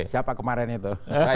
siapa kemarin itu